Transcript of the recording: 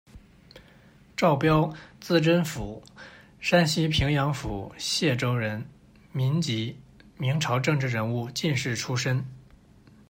赵标，字贞甫，山西平阳府解州人，民籍，明朝政治人物、进士出身。